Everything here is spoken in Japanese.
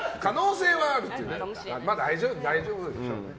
まあ大丈夫でしょう。